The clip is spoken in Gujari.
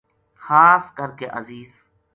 خاص کر کے عزیز